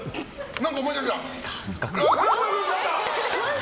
何を思い出した？